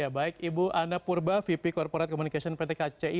ya baik ibu anna purba vp korp komunikasi pt kci